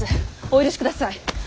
お許しください。